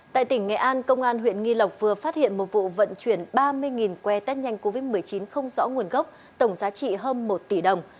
tại tỉnh nghệ an công an huyện nghi lộc vừa phát hiện một vụ vận chuyển ba mươi que test nhanh covid một mươi chín không rõ nguồn gốc tổng giá trị hơn một tỷ đồng